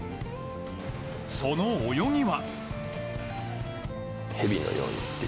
その泳ぎは。